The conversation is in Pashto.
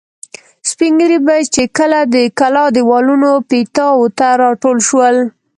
سپین ږیري به چې کله د کلا دېوالونو پیتاوو ته را ټول شول.